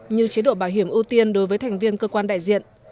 như chế độ bảo hiểm ưu tiên đối với thành viên cơ quan đại diện